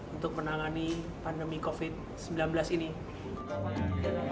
untuk menangani pandemi covid sembilan belas ini